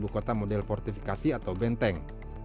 tetapi menggunakan mata model fortifikasi atau benteng